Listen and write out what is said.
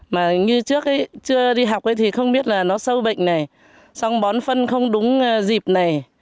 mà như trước chưa đi học thì không biết là nó sâu bệnh này xong bón phân không đúng dịp này